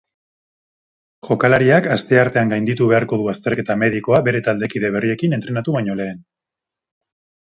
Jokalariak asteartean gainditu beharko du azterketa medikoa bere taldekide berriekin entrenatu baino lehen.